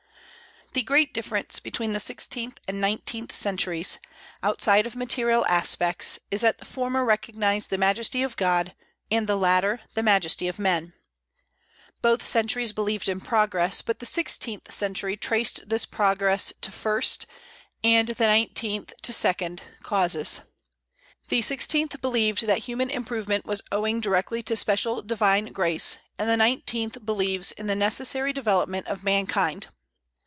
The great difference between the sixteenth and nineteenth centuries, outside of material aspects, is that the former recognized the majesty of God, and the latter the majesty of man. Both centuries believed in progress; but the sixteenth century traced this progress to first, and the nineteenth to second, causes. The sixteenth believed that human improvement was owing directly to special divine grace, and the nineteenth believes in the necessary development of mankind.